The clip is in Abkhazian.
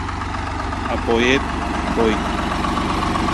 Апоет иҳәоит.